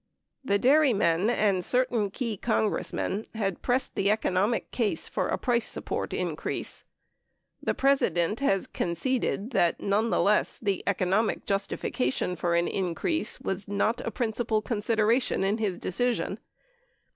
The dairymen and certain key Congressmen had pressed the eco nomic case for a price support increase. The President has conceded that, nonetheless, the economic justification for an increase was not a principal consideration in his decision.